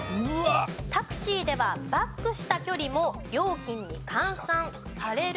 タクシーではバックした距離も料金に換算される？